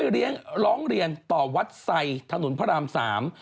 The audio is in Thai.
ร้องเรียนต่อวัดไซถนนพระราม๓